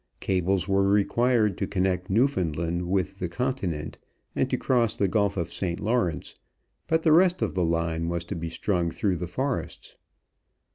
Cables were required to connect Newfoundland with the continent, and to cross the Gulf of St. Lawrence, but the rest of the line was to be strung through the forests.